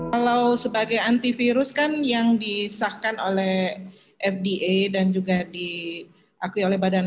kalau sebagai antivirus kan yang disahkan oleh fda dan juga diakui oleh badan